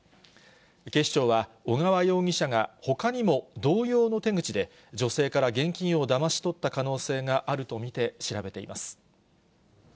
警視庁は、小川容疑者がほかにも同様の手口で、女性から現金をだまし取った可能性があると見て、調べています。